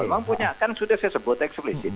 emang punya kan sudah saya sebut eksplosif